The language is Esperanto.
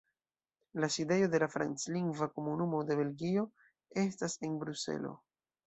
La sidejo de la Franclingva Komunumo de Belgio estas en Bruselo.